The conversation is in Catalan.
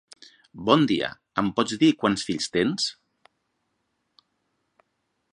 Bon dia, em pots dir quants fills tens?